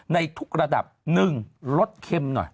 ในทุกระดับ๑ลดเข็มหน่อย